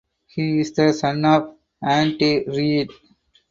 He is the son of Andy Reid.